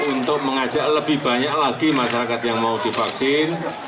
untuk mengajak lebih banyak lagi masyarakat yang mau divaksin